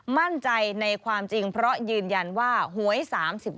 มั่นใจในความจริงเพราะยืนยันว่าหวย๓๐ล้านเนี่ย